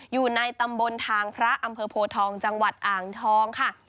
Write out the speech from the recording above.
อยู่ในตำบลทางพระอำเภอโพทองจังหวัดอ่างทองค่ะ